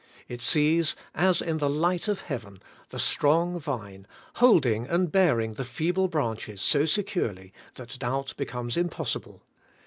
It sees, as in the light of heaven, the strong Vine hold ing and bearing the feeble branches so securely, that 106 ABIDE IN CHRIST: doubt becomes impossible.